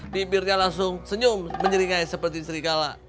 bibirkan langsung senyum menyeringai seperti serigala